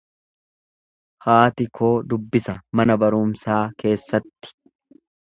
Haati koo dubbisa mana barumsaa keessatti.